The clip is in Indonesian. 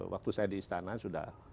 waktu saya di istana sudah